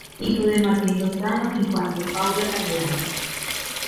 Hijo de Martín Lozano y Juan de Paula Galiano.